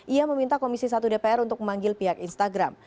ia meminta komisi satu dpr untuk memanggil pihak instagram